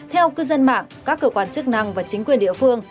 theo cư dân mạng các cơ quan chức năng và chính quyền địa phương